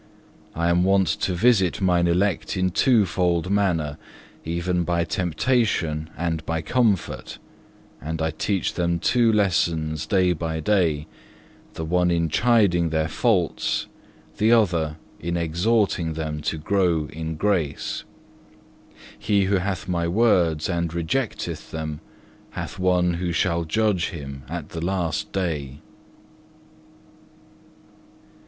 I am wont to visit Mine elect in twofold manner, even by temptation and by comfort, and I teach them two lessons day by day, the one in chiding their faults, the other in exhorting them to grow in grace. He who hath My words and rejecteth them, hath one who shall judge him at the last day."